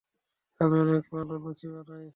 আমি অনেক ভালো লুচি বানাই।